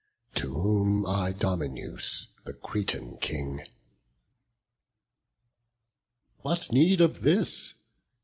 To whom Idomeneus, the Cretan King: "What need of this?